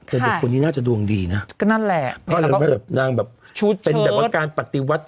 แต่ว่าคนนี้น่าจะดวงดีนะก็นั่นแหละนางแบบชุดเชิดเป็นแบบวันการปฏิวัติของลูกแซน